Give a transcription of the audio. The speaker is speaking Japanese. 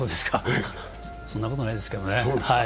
そんなことないですけどね。